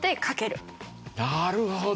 なるほど。